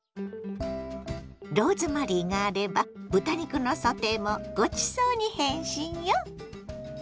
ローズマリーがあれば豚肉のソテーもごちそうに変身よ。